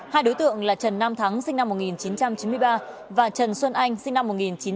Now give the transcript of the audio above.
hai đối tượng là trần nam thắng sinh năm một nghìn chín trăm chín mươi ba và trần xuân anh sinh năm một nghìn chín trăm chín mươi